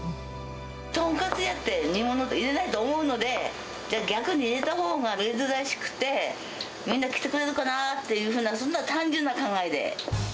トンカツ屋って、煮物って入れないと思うので、じゃあ、逆に入れたほうが珍しくて、みんな来てくれるかなっていう、そんな単純な考えで。